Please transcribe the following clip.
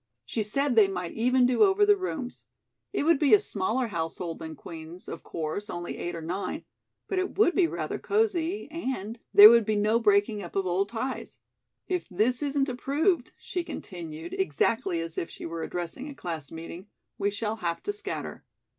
She said they might even do over the rooms. It would be a smaller household than Queen's, of course only eight or nine but it would be rather cosy and there would be no breaking up of old ties. If this isn't approved," she continued, exactly as if she were addressing a class meeting, "we shall have to scatter.